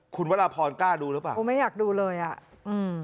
คุณวรพรกล้าดูหรือเปล่าคงไม่อยากดูเลยอ่ะอืม